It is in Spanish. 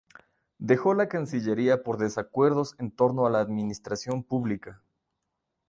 Dejó la cancillería por desacuerdos en torno a la administración pública.